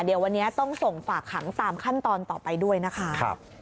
เดี๋ยววันนี้ต้องส่งฝากขังตามขั้นตอนต่อไปด้วยนะคะ